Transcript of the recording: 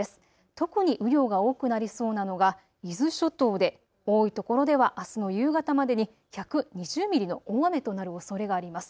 特に雨量が多くなりそうなのが伊豆諸島で多いところではあすの夕方までに１２０ミリの大雨となるおそれがあります。